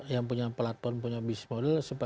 yang punya platform punya bisnis model